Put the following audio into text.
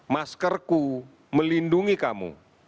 maskerku melindungi kamu